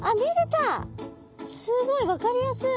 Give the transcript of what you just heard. すごい分かりやすい。